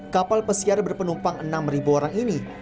kapal pesiar berpenumpang enam orang ini